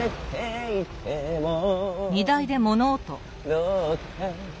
「どうか」